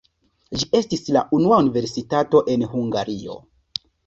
Ĝi estis la unua universitato en Hungario.